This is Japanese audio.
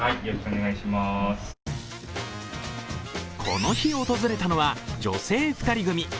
この日訪れたのは女性２人組。